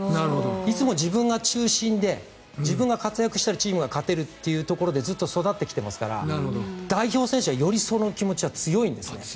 いつも自分が中心で自分が活躍したらチームが勝てるというところでずっと育ってきていますから代表選手はよりその気持ちが強いんですね。